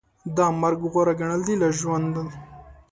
دا مرګ غوره ګڼل دي له ژوند